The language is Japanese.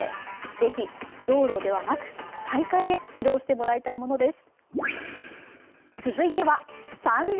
是非道路ではなく大会で披露してもらいたいものです。